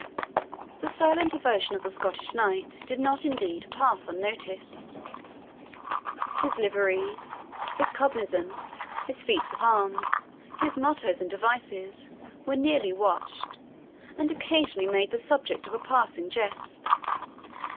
The silent devotion of the Scottish knight did not, indeed, pass unnoticed; his liveries, his cognizances, his feats of arms, his mottoes and devices, were nearly watched, and occasionally made the subject of a passing jest.